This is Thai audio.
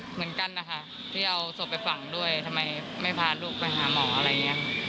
เหมือนกันนะคะที่เอาศพไปฝังด้วยทำไมไม่พาลูกไปหาหมออะไรอย่างนี้